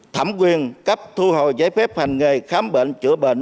thẩm quyền cấp thu hồi giấy phép hành nghề khám bệnh chữa bệnh